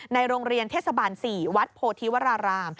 โรงเรียนเทศบาล๔วัดโพธิวราราม